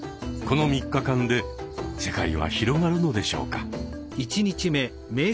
この３日間で世界は広がるのでしょうか。